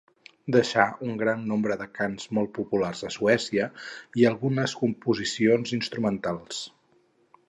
Deixà un gran nombre de cants, molt populars a Suècia, i algunes composicions instrumentals.